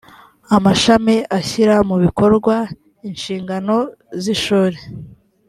amashami ashyira mu bikorwa inshingano z ishuri